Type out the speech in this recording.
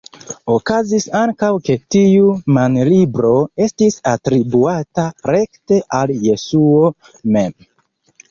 Okazis ankaŭ ke tiu manlibro estis atribuata rekte al Jesuo mem.